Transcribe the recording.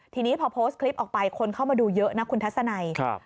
ทีนี้พอโพสต์คลิปออกไปคนเข้ามาดูเยอะนะคุณทัศนัย